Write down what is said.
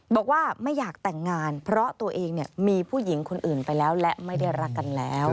บอกว่าไม่อยากแต่งงานเพราะตัวเองมีผู้หญิงคนอื่นไปแล้วและไม่ได้รักกันแล้ว